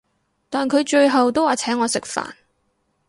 但佢最後都話請我食飯